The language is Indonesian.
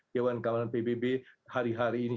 dewan kawanan pbb hari hari ini